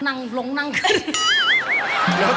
นั่งลงนั่งขึ้น